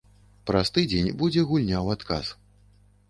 Праз тыдзень будзе гульня ў адказ.